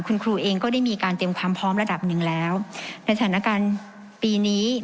คุณครูเองก็ได้มีการเตรียมความพร้อมระดับหนึ่งแล้วในสถานการณ์ปีนี้